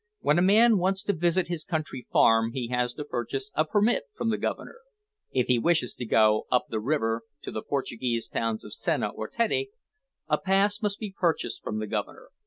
When a man wants to visit his country farm he has to purchase a permit from the Governor. If he wishes to go up the river to the Portuguese towns of Senna or Tette, a pass must be purchased from the Governor.